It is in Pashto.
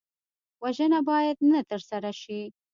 وژنه باید نه ترسره شي